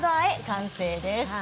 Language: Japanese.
完成です。